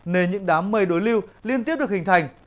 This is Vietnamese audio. nên những đám mây đối lưu liên tiếp được hình thành